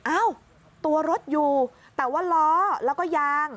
อ้าวตัวรถอยู่แต่ว่าล้อแล้วก็ยาง